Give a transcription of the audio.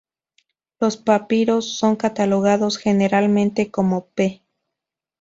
Los papiros son catalogados generalmente como "P".